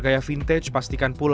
iya ini banyak banget